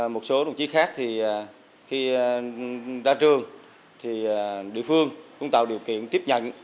một số đồng chí khác thì khi ra trường thì địa phương cũng tạo điều kiện tiếp nhận